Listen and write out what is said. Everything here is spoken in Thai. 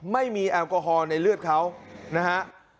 แอลกอฮอล์ในเลือดเขานะฮะ